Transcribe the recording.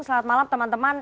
selamat malam teman teman